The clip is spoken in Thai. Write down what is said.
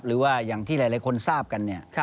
หรือว่าอย่างที่หลายคนทราบกันเนี่ย